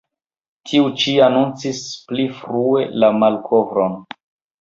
Tiu-ĉi anoncis pli frue la malkovron.